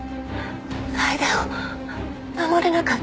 楓を守れなかった